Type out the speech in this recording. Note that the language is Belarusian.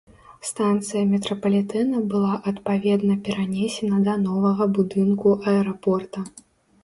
Станцыя метрапалітэна была адпаведна перанесена да новага будынку аэрапорта.